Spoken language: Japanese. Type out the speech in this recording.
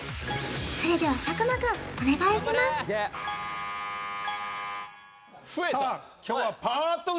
それでは佐久間くんお願いしますイエー！